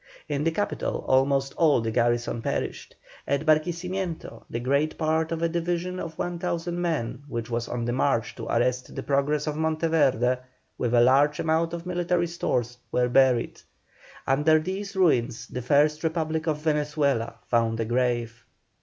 In the capital almost all the garrison perished. At Barquisimeto the greater part of a division of 1,000 men which was on the march to arrest the progress of Monteverde, with a large amount of military stores, were buried. Under these ruins the first Republic of Venezuela found a grave.